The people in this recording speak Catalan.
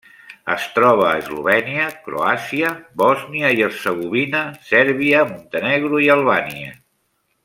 Es troba a Eslovènia, Croàcia, Bòsnia i Hercegovina, Sèrbia, Montenegro i Albània.